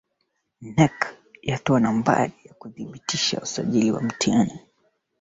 Na kuunda kikundi chake cha kwanza cha bendi waimbaji